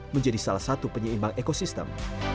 menjadi salah satu penyeimbang ekosistem